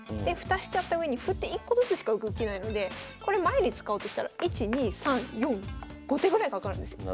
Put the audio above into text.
蓋しちゃったうえに歩って１個ずつしか動けないのでこれ前に使おうとしたら１２３４５手ぐらいかかるんですよ。